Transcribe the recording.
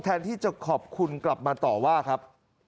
แทนที่จะขอบคุณกลับมาต่อว่าครับ